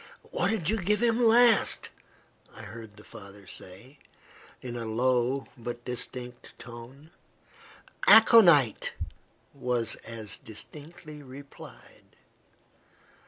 "What did you give him last?" I heard the father say, in a low, but distinct tone. "Aconite," was as distinctly replied.